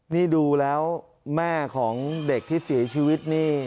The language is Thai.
นี่ดูแล้วแม่ของเด็กที่เสียชีวิตนี่